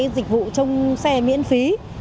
dịch vụ trong xe miễn phí